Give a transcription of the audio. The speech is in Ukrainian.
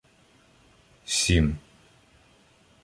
Сім